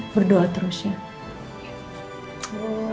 berdoa terus ya